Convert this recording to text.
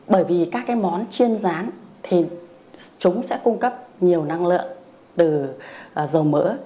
bởi vì các món chiên gián thì chúng sẽ cung cấp nhiều năng lượng từ dầu mỡ